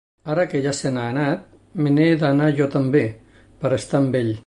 Ara que ja se n'ha anat, me n'he d'anar jo també per estar amb ell.